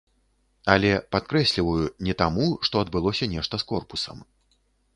Але, падкрэсліваю, не таму, што адбылося нешта з корпусам.